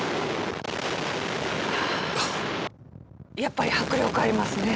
やっぱり迫力ありますね。